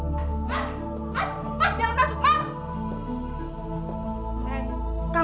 mas mas mas jangan takut mas